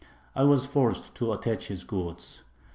I was forced to attach his goods.